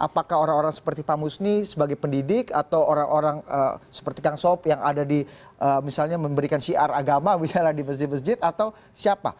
apakah orang orang seperti pak musni sebagai pendidik atau orang orang seperti kang sob yang ada di misalnya memberikan syiar agama misalnya di masjid masjid atau siapa